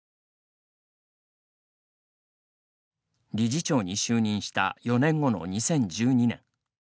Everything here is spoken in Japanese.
理事長に就任した４年後の２０１２年。